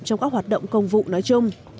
trong các hoạt động công vụ nói chung